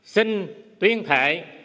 xin tuyên thệ